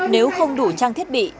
nếu không đủ trang thiết bị